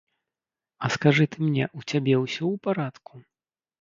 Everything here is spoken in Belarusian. А скажы ты мне, у цябе ўсё ў парадку?